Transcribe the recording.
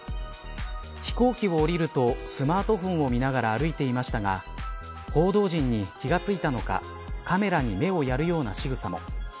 飛行機を降りるとスマートフォンを見ながら歩いていましたが報道陣に気が付いたのかカメラに目をやるようなしぐさも。